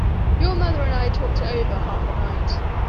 Your mother and I talked it over half the night.